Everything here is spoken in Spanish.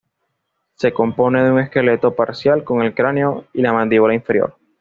Se compone de un esqueleto parcial con el cráneo y la mandíbula inferior.